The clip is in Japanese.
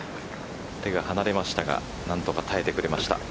手が離れましたが何とか耐えてくれました。